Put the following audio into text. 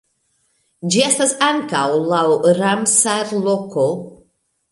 Ĝi estas ankaŭ laŭ Ramsar-loko.